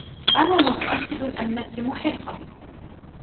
أنا متأكد أنكِ محقة.